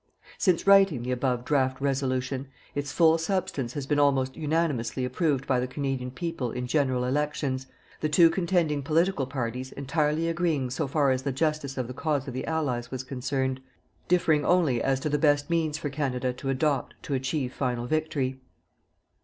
Since writing the above draft "Resolution", its full substance has been almost unanimously approved by the Canadian people in general elections, the two contending political parties entirely agreeing so far as the Justice of the cause of the Allies was concerned, differing only as to the best means for Canada to adopt to achieve final victory.